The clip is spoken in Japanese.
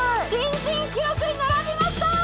新人記録に並びました。